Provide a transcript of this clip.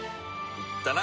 言ったな？